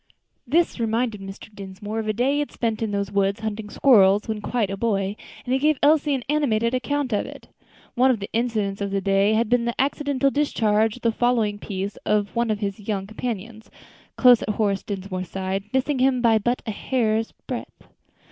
This reminded Mr. Dinsmore of a day he had spent in those woods hunting squirrels, when quite a boy, and he gave Elsie an animated account of it. One of the incidents of the day had been the accidental discharge of the fowling piece of one of his young companions, close at Horace Dinsmore's side, missing him by but a hair's breadth.